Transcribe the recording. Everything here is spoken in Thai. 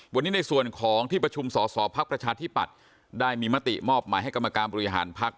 วันนี้ในส่วนของที่ประชุมสอสอภักดิ์ประชาธิปัตย์ได้มีมติมอบหมายให้กรรมการบริหารพัก